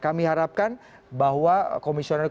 kami harapkan bahwa komisioner komisioner kpu ini